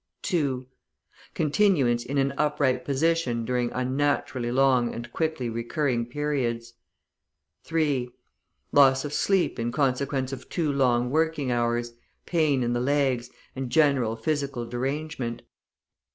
(2) Continuance in an upright position during unnaturally long and quickly recurring periods. (3) Loss of sleep in consequence of too long working hours, pain in the legs, and general physical derangement.